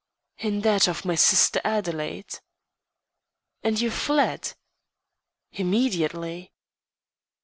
"In that of my sister Adelaide." "And you fled?" "Immediately."